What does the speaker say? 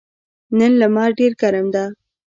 نن لمر ډېر ګرم ده.